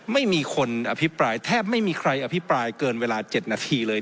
ไม่มีคนอภิปรายแทบไม่มีใครอภิปรายเกินเวลา๗นาทีเลย